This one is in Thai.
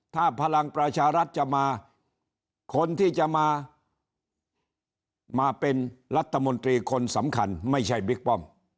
ถ้าพลังประชารัฐจะมาคนที่จะมามาเป็นรัฐมนตรีคนสำคัญไม่ใช่บิ๊กป้อม